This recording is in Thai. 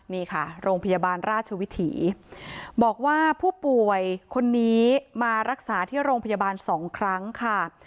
นี่ค่ะโรงพยาบาลราชวิถีบอกว่าผู้ป่วยคนนี้มารักษาที่โรงพยาบาลสองครั้งค่ะ